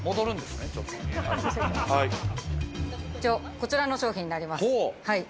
こちらの商品になります。